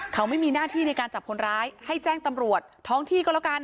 เขาไม่มีหน้าที่ในการจับคนร้ายให้แจ้งตำรวจท้องที่ก็แล้วกัน